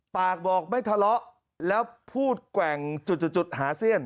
ปากบอกไม่ทะเลาะแล้วพูดแกว่งจุดหาเสี้ยน